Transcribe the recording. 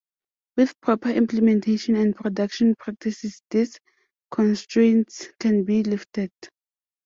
With proper implementation and production practices, these constraints can be lifted.